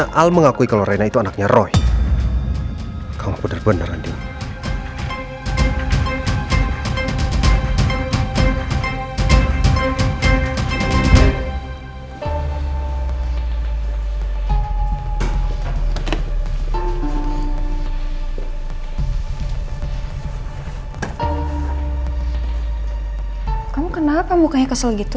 menyalah mengakui kalau reina itu anaknya roy kamu bener bener andi kamu kenapa mukanya kesel gitu